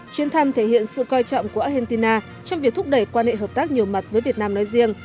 chuyến thăm thể hiện sự coi trọng của argentina trong việc thúc đẩy quan hệ hợp tác nhiều mặt với việt nam nói riêng